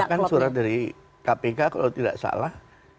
bahkan surat dari kpk kalau tidak salah